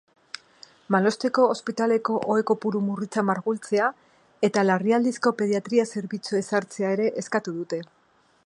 Malosteko ospitaleko ohe kopuru murritza mardultzea eta larrialdizko pediatria zerbitzua ezartzea ere eskatu dute.